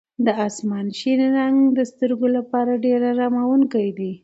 د اسمان شین رنګ د سترګو لپاره ډېر اراموونکی دی.